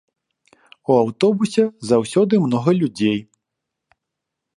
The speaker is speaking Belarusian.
У аўтобусе заўсёды многа людзей.